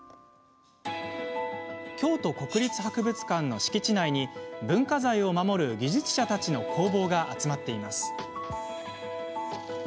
京都国立博物館の敷地内に文化財を守る技術者たちの工房が集まっています。